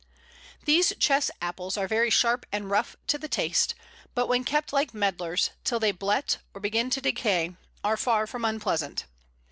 These Chess apples are very sharp and rough to the taste, but when kept like Medlars, till they "blet" or begin to decay, are far from unpleasant.